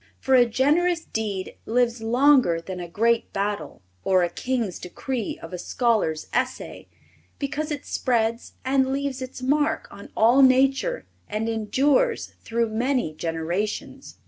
For a generous deed lives longer than a great battle or a king's decree of a scholar's essay, because it spreads and leaves its mark on all nature and endures through many generations.